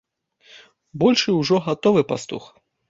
Большы ўжо гатовы пастух.